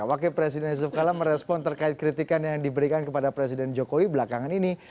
wakil presiden yusuf kala merespon terkait kritikan yang diberikan kepada presiden jokowi belakangan ini